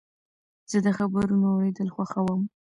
زه د خبرونو اورېدل خوښوم.